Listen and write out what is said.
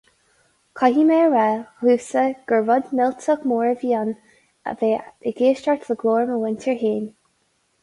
Caithfidh mé a rá, dhomsa, gur rud millteach mór a bhí ann a bheith ag éisteacht le glór mo mhuintir fhéin.